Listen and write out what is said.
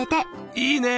いいね。